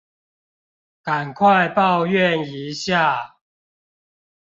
趕快抱怨一下